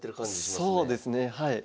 そうですねはい。